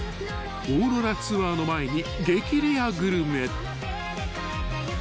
［オーロラツアーの前に激レアグルメ］